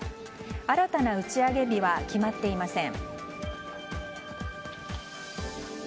新たな打ち上げ日は決まっていません。